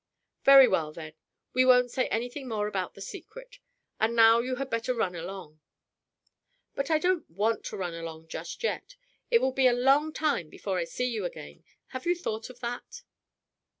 "Very well, then; we won't say anything more about the secret. And now you had better run along." "But I don't want to run along just yet. It will be a long time before I see you again; have you thought of that?"